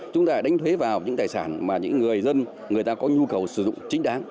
chúng ta đánh thuế vào những tài sản mà những người dân người ta có nhu cầu sử dụng chính đáng